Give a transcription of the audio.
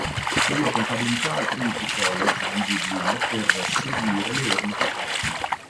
Studiò contabilità al Trinity College di Dublino per seguire le orme paterne.